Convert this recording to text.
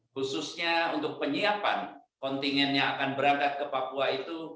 khususnya untuk penyiapan kontingen yang akan berangkat ke papua itu